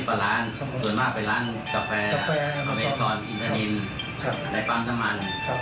๓๐ประลานส่วนมากเป็นร้านกาแฟอเมฆร์นอินทรีมในปังสมัน